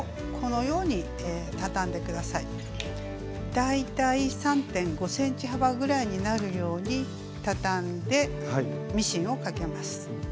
大体３．５ｃｍ幅ぐらいになるようにたたんでミシンをかけます。